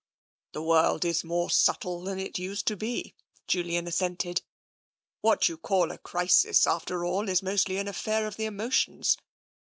"The world is more subtle than it used to be," Julian assented. " What you call a crisis, after all is mostly an affair of the emotions.